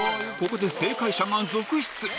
ここで正解者が続出